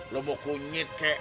lu mau kunyit kek